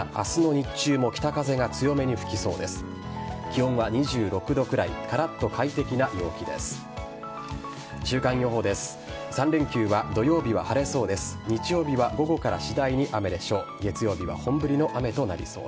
日曜日は午後から雨でしょう。